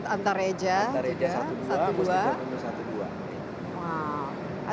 antareja satu dua mustika bumi satu dua